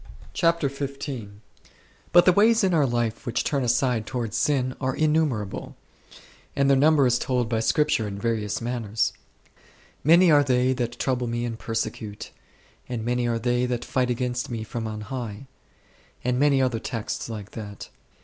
CHAPTER XV. But the ways in our life which turn aside towards sin are innumerable ; and their number is told by Scripture in divers manners. " Many are they that trouble me and persecute," and *' Many are they that fight against me from on highs"; and many other texts like that.